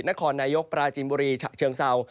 นครนายกปราจินบุรีเชียงเซา